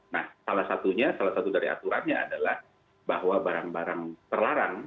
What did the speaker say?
nah salah satunya salah satu dari aturannya adalah bahwa barang barang terlarang